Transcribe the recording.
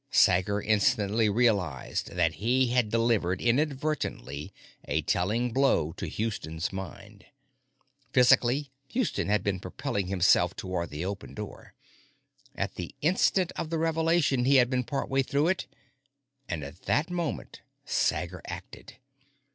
Sager instantly realized that he had delivered, inadvertently, a telling blow to Houston's mind. Physically, Houston had been propelling himself toward the open door. At the instant of the revelation, he had been part way through it. And at that moment, Sager acted.